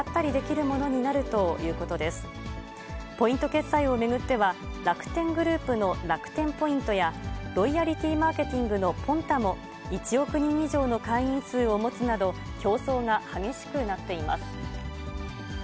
決済を巡っては、楽天グループの楽天ポイントや、ロイヤリティマーケティングのポンタも、１億人以上の会員数を持つなど、競争が激しくなっています。